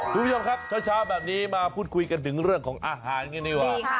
ทุกคนค่ะช้าแบบนี้มาพูดคุยกันถึงเรื่องของอาหารกันดีกว่า